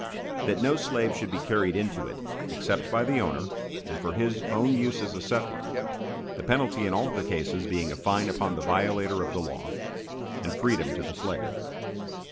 That no slave should be carried into it, except by the owner, and for his own use as a settler; the penalty in all the cases being a fine upon the violator of the law, and freedom to the slave.